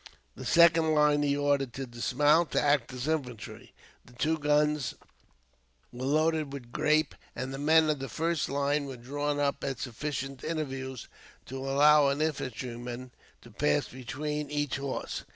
The second line he ordered to dismount, to act as infantry. The two guns were loaded with grape, and the men of the first line were drawn up at sufficient intervals to allow an infantryman to pass between each horse.